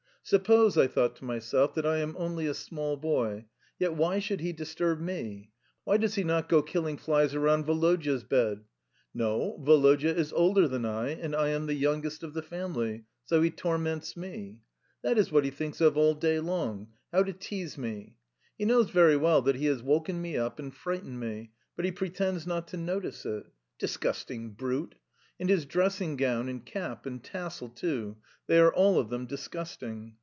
"Suppose," I thought to myself, "that I am only a small boy, yet why should he disturb me? Why does he not go killing flies around Woloda's bed? No; Woloda is older than I, and I am the youngest of the family, so he torments me. That is what he thinks of all day long how to tease me. He knows very well that he has woken me up and frightened me, but he pretends not to notice it. Disgusting brute! And his dressing gown and cap and tassel too they are all of them disgusting."